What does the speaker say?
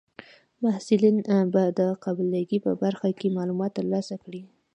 محصلین به د قابله ګۍ په برخه کې معلومات ترلاسه کړي.